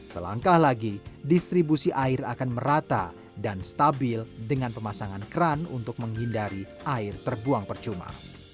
selangkah lagi distribusi air akan merata dan stabil dengan pemasangan kran untuk menghindari air terbuang percuma